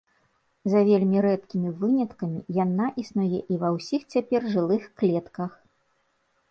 За вельмі рэдкімі выняткамі яна існуе і ва ўсіх цяпер жылых клетак.